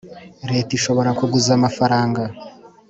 Leta ishobora kuguza amafaranga